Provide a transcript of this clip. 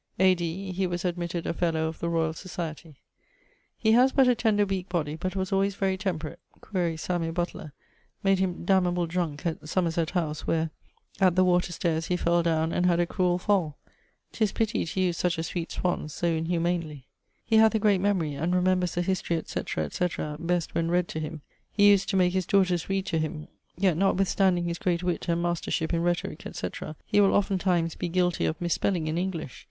A.D. ... he was admitted a fellow of the Royall Societie. He haz but a tender weake body, but was alwayes very temperate. ... (quaere Samuel Butler) made him damnable drunke at Somerset house, where, at the water stayres, he fell downe, and had a cruell fall. 'Twas pitty to use such a sweet swan so inhumanely. He hath a great memory, and remembers a history, etc. etc. best when read to him: he uses to make his daughters read to him. Yet, notwithstanding his great witt and mastership in rhetorique, etc. he will oftentimes be guilty of mispelling in English.